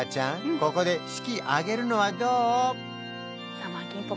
ここで式挙げるのはどう？